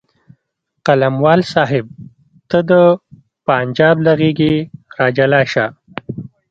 قلموال صاحب ته د پنجاب له غېږې راجلا شه.